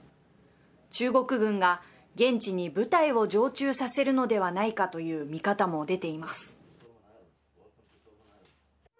中国軍が現地に部隊を常駐させるのではないかという見方も出ています。